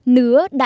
nứa đã được tạo ra